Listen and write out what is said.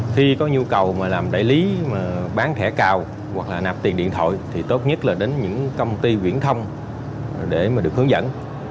khi có nhu cầu mà làm đại lý bán thẻ cào hoặc là nạp tiền điện thoại thì tốt nhất là đến những công ty viễn thông để mà được hướng dẫn